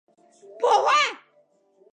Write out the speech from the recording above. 这次山火造成了出乎意料的巨大破坏。